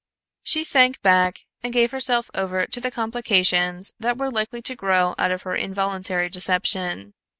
She sank back and gave herself over to the complications that were likely to grow out of her involuntary deception.